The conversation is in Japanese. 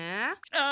あ！